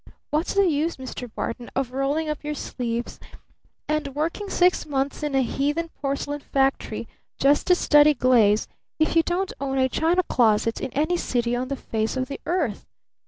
What's the use, Mr. Barton, of rolling up your sleeves and working six months in a heathen porcelain factory just to study glaze if you don't own a china closet in any city on the face of the earth?